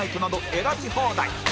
選び放題